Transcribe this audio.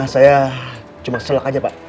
saya cuma selek aja pak